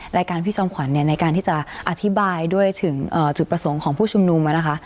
รายการพี่จอมขวัญในการที่จะอธิบายด้วยถึงจุดประสงค์ของผู้ชุมนุมนะคะ